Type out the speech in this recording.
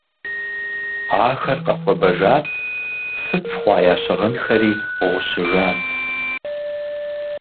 Ахэр къэхуэбэжат, псыф хъуа я щыгъынхэри гъущыжат.